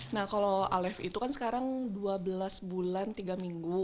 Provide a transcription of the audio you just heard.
nah kalau alev itu kan sekarang dua belas bulan tiga minggu